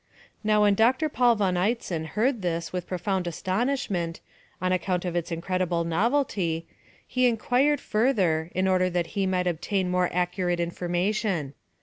"Now when Doctor Paul v. Eitzen heard this with profound astonishment, on account of its incredible novelty, he inquired further, in order that he might obtain more accurate information.